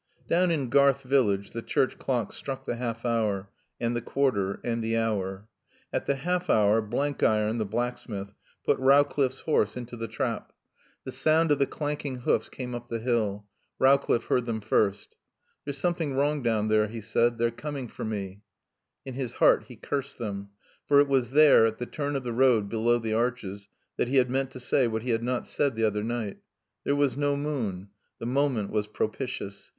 Down in Garth village the church clock struck the half hour and the quarter and the hour. At the half hour Blenkiron, the blacksmith, put Rowcliffe's horse into the trap. The sound of the clanking hoofs came up the hill. Rowcliffe heard them first. "There's something wrong down there," he said. "They're coming for me." In his heart he cursed them. For it was there, at the turn of the road, below the arches, that he had meant to say what he had not said the other night. There was no moon. The moment was propitious.